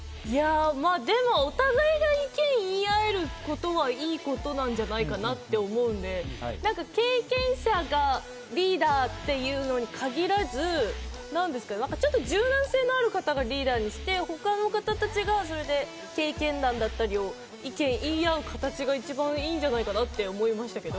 でもお互いが意見を言い合えることはいいことなんじゃないかなって思うんで、経験者がリーダーっていうのに限らず、ちょっと柔軟性がある方をリーダーにして、他の方たちがそれで経験談だったりを意見を言い合う形が一番いいんじゃないかなって思いましたけど。